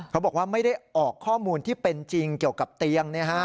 เขาบอกว่าไม่ได้ออกข้อมูลที่เป็นจริงเกี่ยวกับเตียง